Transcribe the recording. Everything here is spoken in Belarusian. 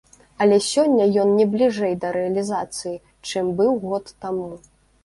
Але сёння ён не бліжэй да рэалізацыі, чым быў год таму.